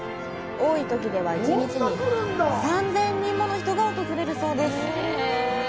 多いときでは一日に３０００人もの人が訪れるそうです！